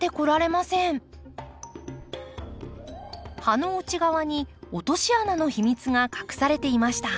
葉の内側に落とし穴の秘密が隠されていました。